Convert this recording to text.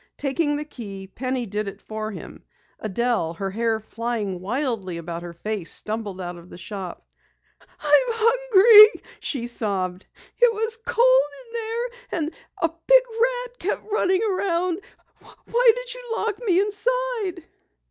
Taking the key, Penny did it for him. Adelle, her hair flying wildly about her face, stumbled out of the shop. "I'm hungry," she sobbed. "It was cold in there, and a big rat kept running around. Why did you lock me inside?"